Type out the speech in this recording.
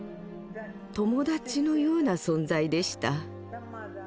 友達のような存在でした。